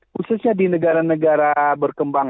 khususnya di negara negara berkembang